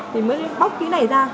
thì mới bóc cái này ra